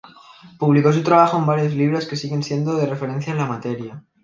Publicó su trabajo en varios libros que siguen siendo de referencia en la materia.